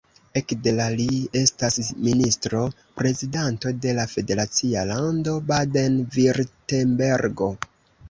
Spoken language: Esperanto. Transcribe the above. Ekde la li estas ministro-prezidanto de la federacia lando Baden-Virtembergo.